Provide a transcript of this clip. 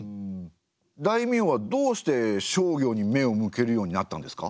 大名はどうして商業に目を向けるようになったんですか？